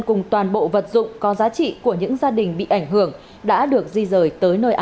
cùng toàn bộ vật dụng có giá trị của những gia đình bị ảnh hưởng đã được di rời